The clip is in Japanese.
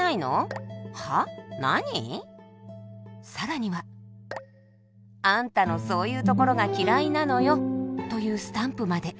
更には「あんたのそういう処が嫌いなのよ」というスタンプまで。